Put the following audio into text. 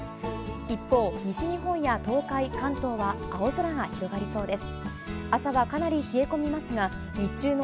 一方、西日本や東海、関東は、青空が広がりそうです。